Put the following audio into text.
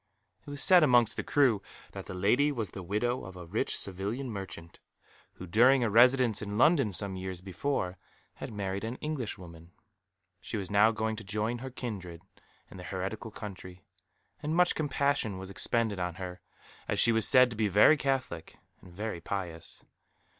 It was said amongst the crew that the lady was the widow of a rich Sevillian merchant, who during a residence in London some years before had married an Englishwoman. She was now going to join her kindred in the heretical country, and much compassion was expended on her, as she was said to be very Catholic and very pious.